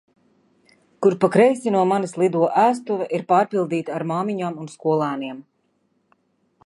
Kur pa kreisi no manis Lido ēstuve ir pārpildīta ar māmiņām un skolēniem.